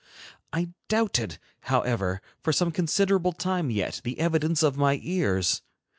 I doubted, however, for some considerable time yet, the evidence of my ears.